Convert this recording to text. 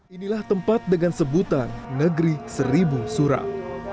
inilah tempat dengan sebutan negeri seribu suram